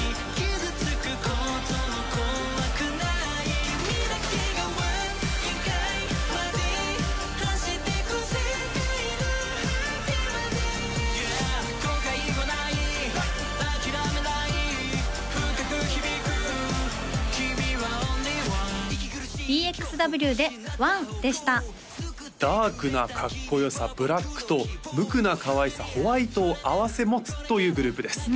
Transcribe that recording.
深く響く君はＯｎｌｙＯｎｅダークなかっこよさブラックと無垢なかわいさホワイトを併せ持つというグループです